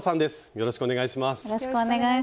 よろしくお願いします。